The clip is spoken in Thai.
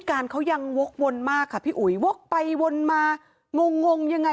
การเขายังวกวนมากค่ะพี่อุ๋ยวกไปวนมางงงงยังไง